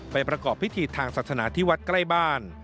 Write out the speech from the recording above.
ประกอบพิธีทางศาสนาที่วัดใกล้บ้าน